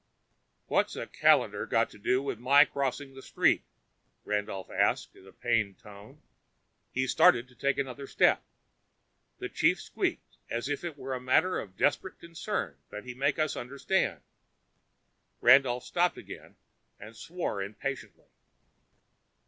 "What's a calendar got to do with my crossing the street?" Randolph asked in a pained tone. He started to take another step. The chief squeaked as if it were a matter of desperate concern that he make us understand. Randolph stopped again and swore impatiently.